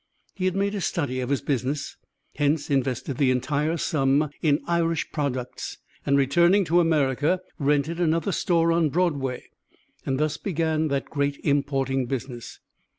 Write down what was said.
He had made a study of his business, hence invested the entire sum in Irish products, and returning to America rented another store on Broadway, and thus began that great importing business.